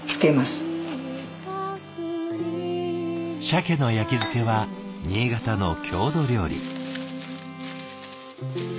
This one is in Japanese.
シャケの焼き漬けは新潟の郷土料理。